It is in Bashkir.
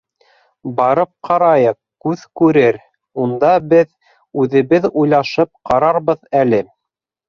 Барып ҡарайыҡ, күҙ күрер, унда беҙ үҙебеҙ уйлашып ҡарарбыҙ әле.